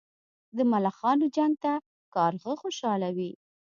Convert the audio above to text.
د ملخانو جنګ ته کارغه خوشاله وي.